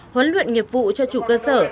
huấn luyện nghiệp vụ cho chủ cơ sở